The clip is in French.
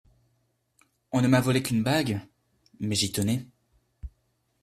On ne m’a volé qu’une bague… mais j’y tenais.